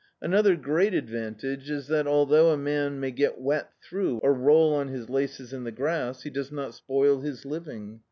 Another great advantage is that although a man may get wet through, or roll on his laces in the grass, he does not spoil his living.